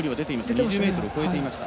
２０ｍを超えていました。